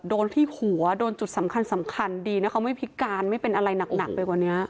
โดนที่หัวโดนจุดสำคัญสำคัญดีนะเขาไม่พิการไม่เป็นอะไรหนักไปกว่านี้